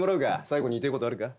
最後に言いてえことあるか？